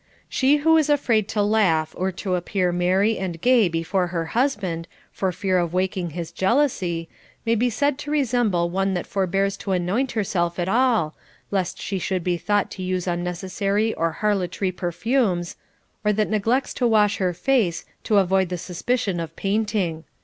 She who is afraid to laugh or to appear merry and gay before her husband, for fear of waking his jealousy, may be said to resemble one that forbears to anoint her self at all, lest she should be thought to use unnecessary or harlotry perfumes, or that neglects to wash her face, to avoid the suspicion of painting.